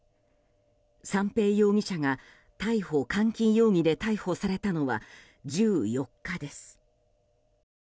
三瓶容疑者が逮捕監禁容疑で逮捕されたのは１４日です。